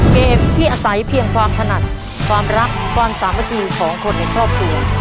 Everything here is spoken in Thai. เกมที่อาศัยเพียงความถนัดความรักความสามัคคีของคนในครอบครัว